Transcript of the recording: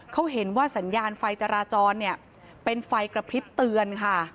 เขาเห็นว่าสัญญาณไฟจราจรเนี่ยเป็นไฟกระพริบเตือนค่ะ